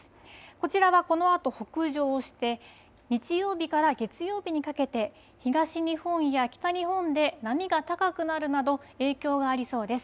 こちらはこのあと北上して日曜日から月曜日にかけて東日本や北日本で波が高くなるなど影響がありそうです。